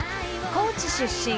［高知出身。